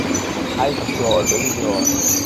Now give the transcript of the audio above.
হায় ইশ্বর, বেবি জন।